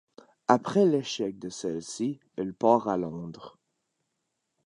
Après l'échec de celle-ci, il part à Londres.